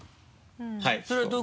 はい。